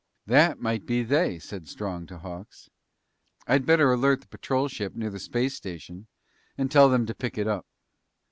"That might be they," said Strong to Hawks. "I'd better alert the patrol ship near the space station and tell them to pick them up."